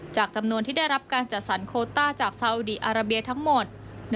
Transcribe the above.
จำนวนที่ได้รับการจัดสรรโคต้าจากซาอุดีอาราเบียทั้งหมด